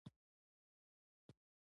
د افغانستان شمال ته تاجکستان پروت دی